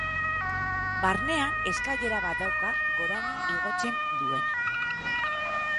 Barnean eskailera bat dauka goraino igotzen duena.